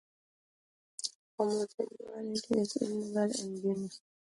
Homosexuality is illegal in Guinea.